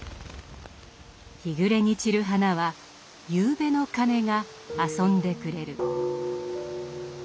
日暮れに散る花は夕べの鐘が遊んでくれる。